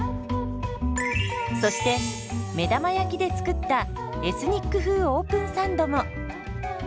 そして目玉焼きで作ったエスニック風オープンサンドも。